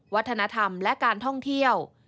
วัฒนธรรมและการท่องเที่ยว